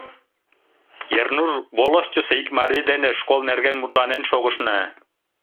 Ернур волостьысо ик марий дене школ нерген мутланен шогышна.